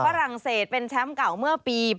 ฝรั่งเศสเป็นแชมป์เก่าเมื่อปี๒๕